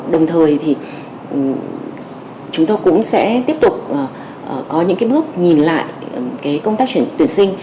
đồng thời thì chúng tôi cũng sẽ tiếp tục có những cái bước nhìn lại cái công tác chuyển tuyển sinh